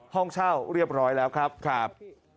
ห้องเช่าเรียบร้อยแล้วครับ